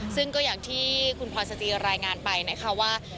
ซึ่งก็อย่างที่คุณพลอยสจีรายงานไปนะคะว่า